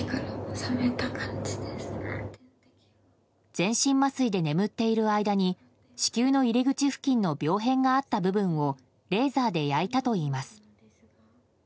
全身麻酔で眠っている間に子宮の入り口付近の病変があった部分をレーザーで焼いたといいます。